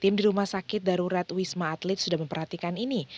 tim di rumah sakit darurat wisma atlet sudah memperhatikan ini